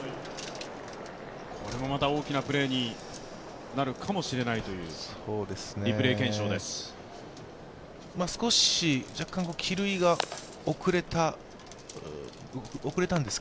これもまた大きなプレーになるかもしれないというリプレー検証です。